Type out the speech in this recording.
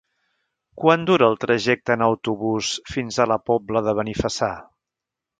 Quant dura el trajecte en autobús fins a la Pobla de Benifassà?